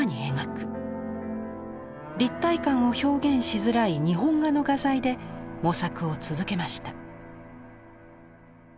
立体感を表現しづらい日本画の画材で模索を続けました。